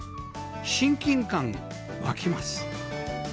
親近感湧きます